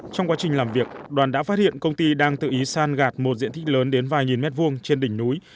trong quá trình làm việc đoàn đã phát hiện công ty đang tự ý san gạt một diện tích lớn đến vài nghìn mét vuông trên đỉnh núi